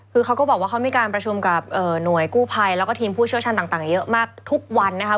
คือเขาก็บอกว่าเขามีการประชุมกับหน่วยกู้ภัยแล้วก็ทีมผู้เชี่ยวชาญต่างเยอะมากทุกวันนะครับ